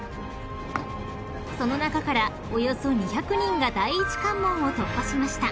［その中からおよそ２００人が第一関門を突破しました］